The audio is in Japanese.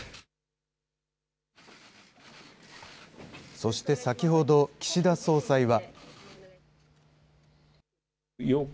そして先ほど、岸田総裁は。